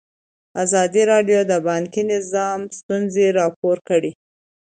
ازادي راډیو د بانکي نظام ستونزې راپور کړي.